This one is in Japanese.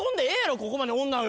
ここまで女をよ